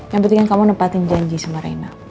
yang penting kamu nepatin janji sama reina